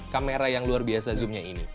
kamera yang luar biasa zoom nya ini